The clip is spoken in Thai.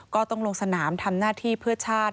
ก็ต้องลงสนามทำหน้าที่เพื่อชาติ